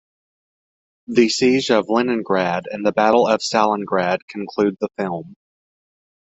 The Siege of Leningrad and the Battle of Stalingrad conclude the film.